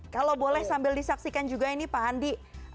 kalau boleh sambil disaksikan juga ini pak andi